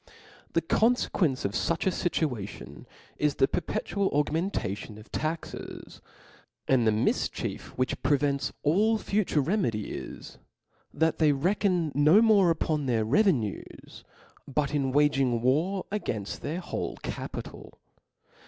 The confequencc of fuch a fitiiation is the per petual augmentation of taxes \ and the mifchief which prevents all future remedy, is that they reckon no more upon their revenues, but in waging war againft their whole capital.